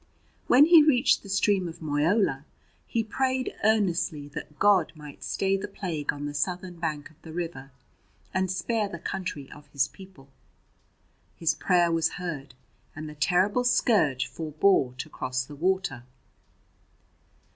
When he reached the stream of Moyola he prayed earnestly that God might stay the plague on the southern bank of the river, and spare the country of his people. His prayer was heard, and the terrible scourge forbore to cross the water.